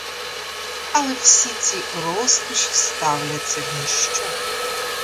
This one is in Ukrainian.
Але всі ці розкоші ставляться в ніщо.